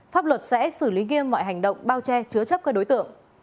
pháp luật sẽ xử lý nghiêm mọi hành động bao che chứa chấp các đối tượng